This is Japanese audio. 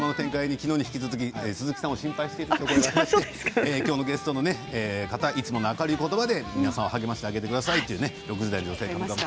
きのうに引き続き鈴木さんを心配していたんですがきょうのゲストの方いつもの明るいことばで励ましてくださいということです